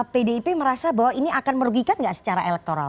pdip merasa bahwa ini akan merugikan nggak secara elektoral